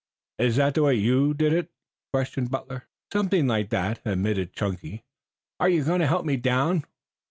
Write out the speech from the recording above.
"Is that the way you did it?" questioned Butler. "Something like it," admitted Chunky. "Are you going to help me down?"